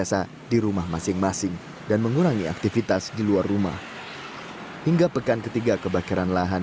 sehingga sebagian sudah datang ke sekolah